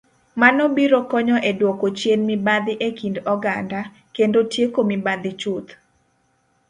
Mano biro konyo e dwoko chien mibadhi e kind oganda, kendo tieko mibadhi chuth.